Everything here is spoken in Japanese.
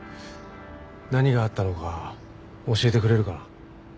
何があったのか教えてくれるかな？